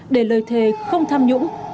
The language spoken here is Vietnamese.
để lời thề không tham nhũng